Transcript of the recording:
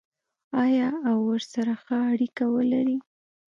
آیا او ورسره ښه اړیکه ولري؟